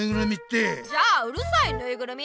じゃあ「うるさいぬいぐるみ」。